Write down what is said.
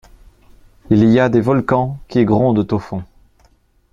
Il y a des volcans qui grondent au fond…